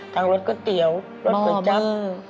ทางรถก๋อเตี๋ยวรถปล่อยจับ